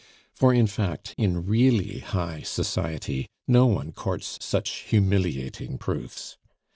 For in fact, in really high society, no one courts such humiliating proofs.